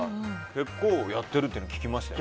結構やってるって聞きました。